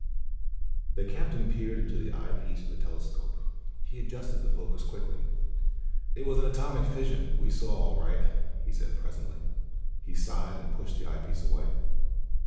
_ The Captain peered into the eyepiece of the telescope. He adjusted the focus quickly. "It was an atomic fission we saw, all right," he said presently. He sighed and pushed the eyepiece away.